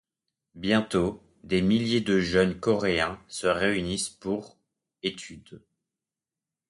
Bientôt, des milliers de jeunes coréens se réunissent pour étude.